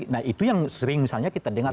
nah itu yang sering misalnya kita dengar